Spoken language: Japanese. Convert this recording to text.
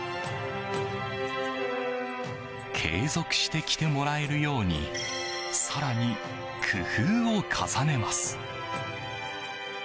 継続して来てもらえるように更に工夫を重ねます。